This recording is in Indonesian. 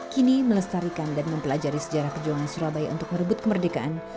kini melestarikan dan mempelajari sejarah perjuangan surabaya untuk merebut kemerdekaan